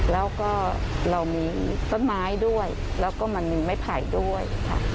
แล้วก็เรามีต้นไม้ด้วยแล้วก็มันมีไม้ไผ่ด้วยค่ะ